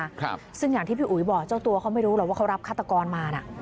ครับซึ่งอย่างที่พี่อุ๋ยบอกเจ้าตัวเขาไม่รู้หรอกว่าเขารับฆาตกรมาน่ะ